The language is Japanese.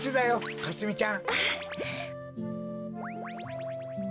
かすみちゃん